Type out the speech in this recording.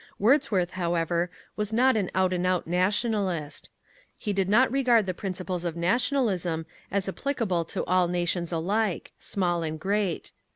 Wordsworth, however, was not an out and out Nationalist. He did not regard the principles of Nationalism as applicable to all nations alike, small and great.